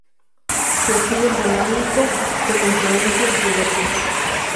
Su estilo es románico con influencias diversas.